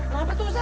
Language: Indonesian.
kenapa tuh san